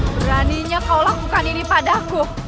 beraninya kau lakukan ini padaku